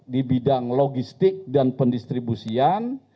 di bidang logistik dan pendistribusian